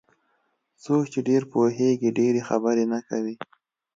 څوک چې ډېر پوهېږي ډېرې خبرې نه کوي.